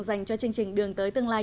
dành cho chương trình đường tới tương lai